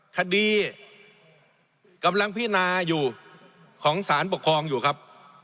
คดีกำลังพินาอยู่ของสารปกครองอยู่ครับ